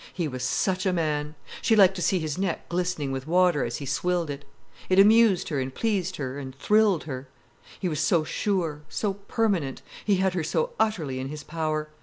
He was such a man. She liked to see his neck glistening with water as he swilled it. It amused her and pleased her and thrilled her. He was so sure, so permanent, he had her so utterly in his power.